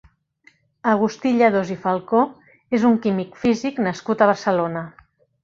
Agustí Lledós i Falcó és un químic físic nascut a Barcelona.